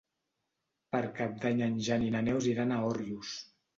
Per Cap d'Any en Jan i na Neus iran a Òrrius.